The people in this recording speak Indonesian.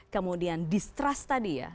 kemudian distrust tadi ya